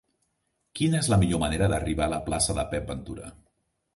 Quina és la millor manera d'arribar a la plaça de Pep Ventura?